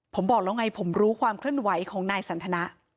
ผมบอกแล้วไงผมรู้ความเคลื่อนไหวของนายสันทนะ